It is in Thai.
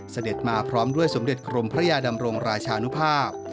เสด็จมาพร้อมด้วยสมเด็จกรมพระยาดำรงราชานุภาพ